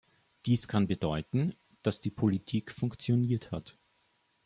Dies kann bedeuten, dass die Politik funktioniert hat.